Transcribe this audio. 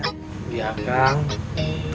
nanti masukin kopernya